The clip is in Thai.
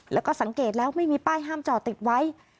แล้วก็สังเกตแล้วไม่มีป้ายห้ามจอดติดไว้